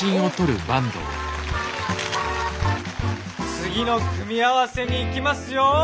次の組み合わせに行きますよ。